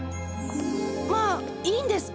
まあいいんですか？